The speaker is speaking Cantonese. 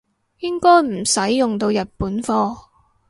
應該唔使用到日本貨